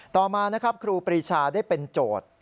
ต่อมาครูปริชาได้เป็นโจทย์